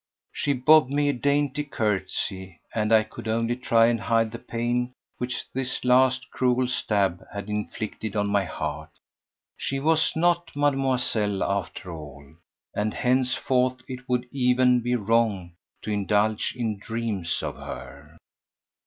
She bobbed me a dainty curtsy, and I could only try and hide the pain which this last cruel stab had inflicted on my heart. So she was not "Mademoiselle" after all, and henceforth it would even be wrong to indulge in dreams of her.